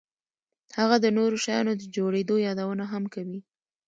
هغه د نورو شیانو د جوړېدو یادونه هم کوي